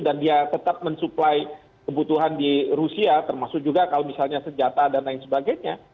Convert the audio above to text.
dan dia tetap mensupply kebutuhan di rusia termasuk juga kalau misalnya senjata dan lain sebagainya